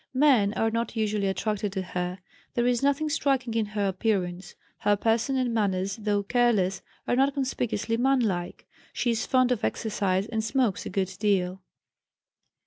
Men are not usually attracted to her. There is nothing striking in her appearance; her person and manners, though careless, are not conspicuously man like. She is fond of exercise and smokes a good deal.